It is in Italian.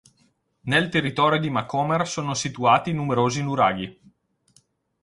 Nel territorio di Macomer sono situati numerosi nuraghi.